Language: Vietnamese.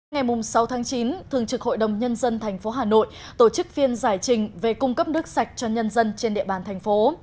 ngày sáu chín thường trực hội đồng nhân dân tp hà nội tổ chức phiên giải trình về cung cấp nước sạch cho nhân dân trên địa bàn thành phố